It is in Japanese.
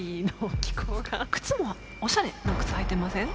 靴もおしゃれな靴履いてません？